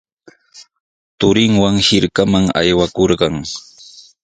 Turinwan hirkaman aywakurqan.